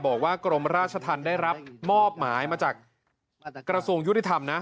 กรมราชธรรมได้รับมอบหมายมาจากกระทรวงยุติธรรมนะ